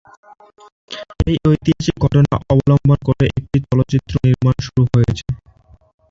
এই ঐতিহাসিক ঘটনা অবলম্বন করে একটি চলচ্চিত্র নির্মাণ শুরু হয়েছে।